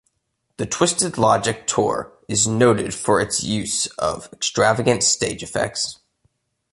The Twisted Logic Tour is noted for its use of extravagant stage effects.